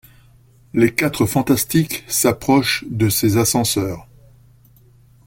Les Quatre Fantastiques s'approchent de ces ascenseurs.